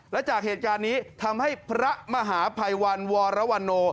และจากเหตุการณ์นี้ทำให้พระมหาภัยวันวรวรโน